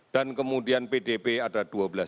dan kemudian pdb ada dua belas